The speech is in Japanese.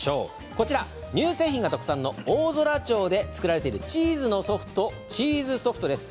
こちら乳製品が特産の大空町で作られているチーズソフトです。